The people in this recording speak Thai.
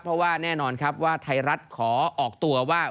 เพราะว่าแน่นอนครับว่าไทยรัฐขอออกตัวว่า